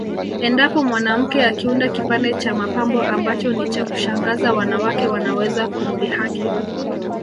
Endapo mwanamke akiunda kipande cha mapambo ambacho ni cha kushangaza wanawake wanaweza kumdhihaki